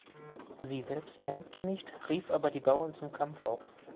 Sie selbst kämpfte nicht, rief aber die Bauern zum Kampf auf.